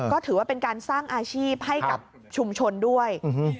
ก็ถือว่าเป็นการสร้างอาชีพให้กับชุมชนด้วย